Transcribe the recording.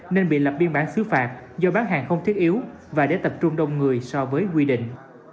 nên bị lập biên bản xứ phạt do bán hàng không thiết yếu và để tập trung đông người so với quy định